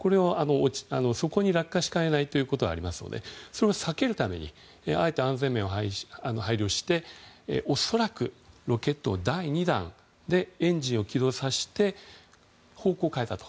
そこに落下しかねないということがありますのでそれを避けるためにあえて安全面を配慮して恐らく、ロケットを第２段でエンジンを起動させて方向を変えたと。